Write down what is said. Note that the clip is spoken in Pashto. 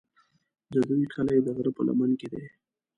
د دوی کلی د غره په لمن کې دی.